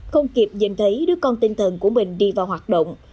không kịp nhìn thấy đứa con tinh thần của mình đi vào hoạt động